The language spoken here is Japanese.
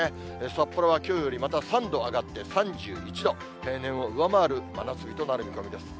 札幌はきょうよりまた３度上がって、３１度、平年を上回る真夏日となる見込みです。